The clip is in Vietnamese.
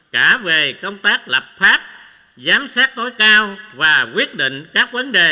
cả về công tác lập pháp giám sát tối cao và quyết định các vấn đề quan trọng của đất nước